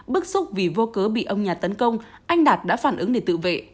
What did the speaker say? bước xúc vì vô cớ bị ông nhạt tấn công anh đạt đã phản ứng để tự vệ